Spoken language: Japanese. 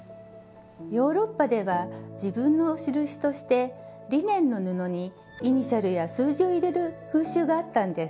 ヨーロッパでは自分の印としてリネンの布にイニシャルや数字を入れる風習があったんです。